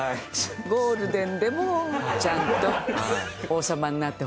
ゴールデンでもちゃんと王様になってほしい。